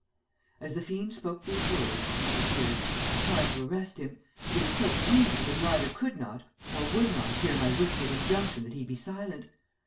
"As the fiend spoke these words," said the spirit, "I tried to arrest him; but he was so angry that he either could not or would not hear my whispered injunction that he be silent.